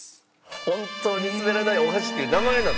ほんとうにすべらないお箸っていう名前なの？